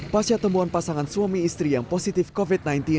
pasca temuan pasangan suami istri yang positif covid sembilan belas